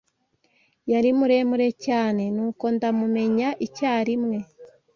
Yari muremure cyane, nuko ndamumenya icyarimwe.